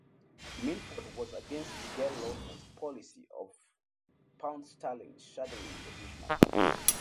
Minford was against Nigel Lawson's policy of pound sterling shadowing the Deutschmark.